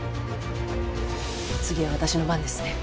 次は私の番ですね。